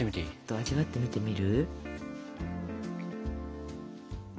味わってみてみる？